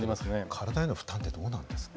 体への負担ってどうなんですか？